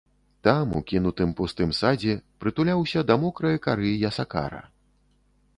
Там, у кінутым, пустым садзе, прытуляўся да мокрае кары ясакара.